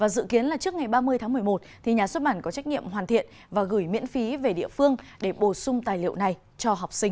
dự kiến là trước ngày ba mươi tháng một mươi một nhà xuất bản có trách nhiệm hoàn thiện và gửi miễn phí về địa phương để bổ sung tài liệu này cho học sinh